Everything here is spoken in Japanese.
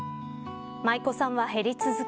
舞子さんは減り続け